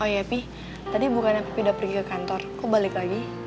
oh iya pi tadi bukannya papi udah pergi ke kantor kok balik lagi